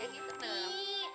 ya gitu dong